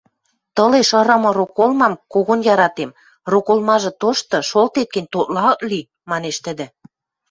— Тылеш ырымы роколмам когон яратем, роколмажы тошты, шолтет гӹнь, тотлы ак ли, — манеш тӹдӹ.